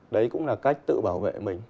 đấy cũng là cách tự bảo vệ mình